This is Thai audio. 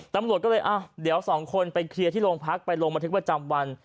ตำรวจก็เลยเดี๋ยวสองคนไปเคลียร์ที่โรงพักไปลงบันทึกประจำวัน